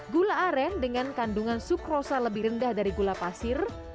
gula aren dengan kandungan sukrosa lebih rendah dari gula pasir